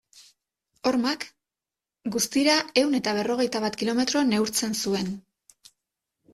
Hormak, guztira ehun eta berrogei bat kilometro neurtzen zuen.